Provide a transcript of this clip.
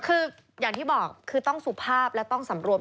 คืออย่างที่บอกคือต้องสุภาพและต้องสำรวม